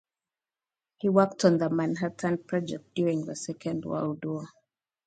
He worked on the Manhattan Project during the Second World War.